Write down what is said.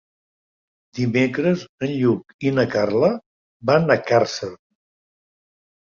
Dimecres en Lluc i na Carla van a Càrcer.